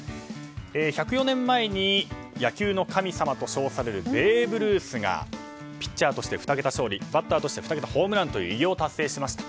１０４年前に野球の神様と称されるベーブ・ルースがピッチャーとして２桁勝利バッターとしては２桁ホームランという偉業を達成しました。